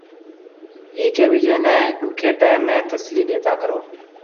هيَڪيَ ٻِيجي نَي ڏُکي ٽيم ۾ تسلِي ڏيتا ڪرو۔